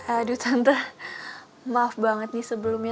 aduh tante maaf banget nih sebelumnya